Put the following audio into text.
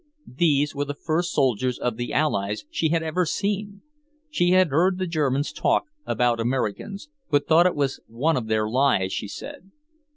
These were the first soldiers of the Allies she had ever seen. She had heard the Germans talk about Americans, but thought it was one of their lies, she said.